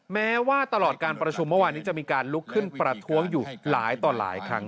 แม้ว่าตลอดการประชุมเมื่อวานนี้จะมีการลุกขึ้นประท้วงอยู่หลายต่อหลายครั้ง